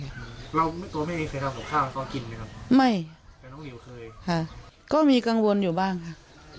ไม่แต่น้องหลิวเคยค่ะก็มีกังวลอยู่บ้างค่ะ